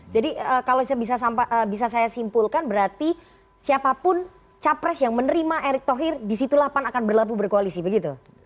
jadi kalau bisa saya simpulkan berarti siapapun cawapres yang menerima erick thohir disitu pan akan berlaku berkoalisi begitu